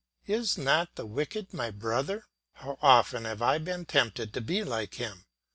Is not the wicked my brother? How often have I been tempted to be like him?